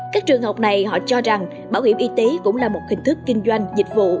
các trường học này họ cho rằng bảo hiểm y tế cũng là một hình thức kinh doanh dịch vụ